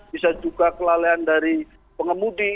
bisa juga kelalaian dari pengemudi